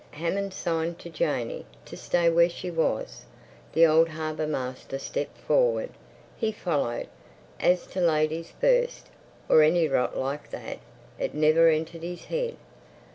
Hammond signed to Janey to stay where she was. The old harbour master stepped forward; he followed. As to "ladies first," or any rot like that, it never entered his head.